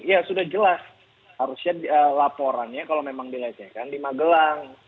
ya sudah jelas harusnya laporannya kalau memang dilecehkan di magelang